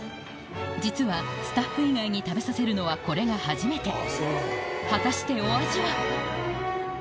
実はスタッフ以外に食べさせるのはこれが初めて果たしてお味は？